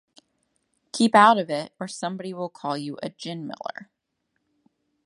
Keep out of it, or somebody will call you a gin-miller.